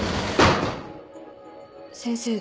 先生